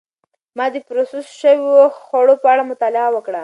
ما د پروسس شوو خوړو په اړه مطالعه وکړه.